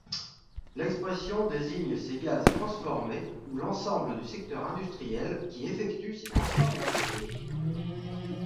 L'expression désigne ces gaz transformés ou l'ensemble du secteur industriel qui effectue ces transformations.